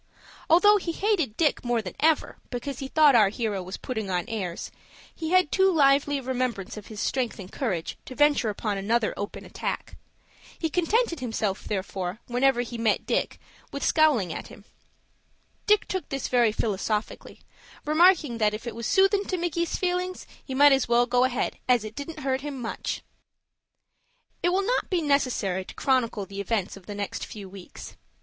Although he hated Dick more than ever, because he thought our hero was putting on airs, he had too lively a remembrance of his strength and courage to venture upon another open attack. He contented himself, therefore, whenever he met Dick, with scowling at him. Dick took this very philosophically, remarking that, "if it was soothin' to Micky's feelings, he might go ahead, as it didn't hurt him much." It will not be necessary to chronicle the events of the next few weeks.